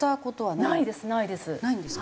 ないんですか？